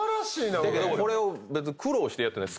だけどこれを別に苦労してやってない。